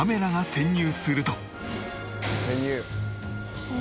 「潜入！」